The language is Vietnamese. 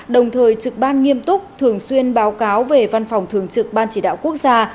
đồng thời trực ban nghiêm túc thường xuyên báo cáo về văn phòng thường trực ban chỉ đạo quốc gia